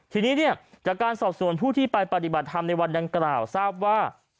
ทีนี้เนี่ยจากการสอบส่วนผู้ที่ไปปฏิบัติธรรมในวันดังกล่าวทราบว่า